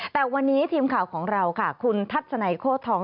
แต่วันนี้ทีมข่าวของเราค่ะคุณทัศนัยโค้ทอง